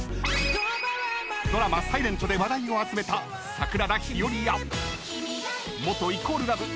［ドラマ『ｓｉｌｅｎｔ』で話題を集めた桜田ひよりや元＝ＬＯＶＥ